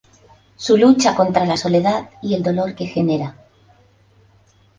Su lucha contra la soledad y el dolor que genera.